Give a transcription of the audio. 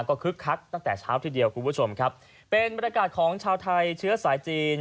ก็คึกคักตั้งแต่เช้าทีเดียวคุณผู้ชมครับเป็นบรรยากาศของชาวไทยเชื้อสายจีน